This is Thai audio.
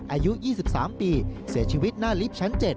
อายุ๒๓ปีเสียชีวิตหน้าลิฟท์ชั้น๗